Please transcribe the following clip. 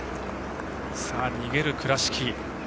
逃げる倉敷。